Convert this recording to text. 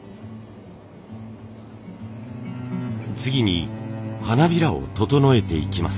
次に花びらを整えていきます。